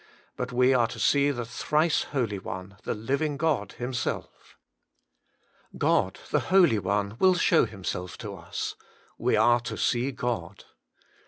But we are to see the Thrice Holy One, the Living God Himself. God, the Holy One, will show Himself to us : we are to see God.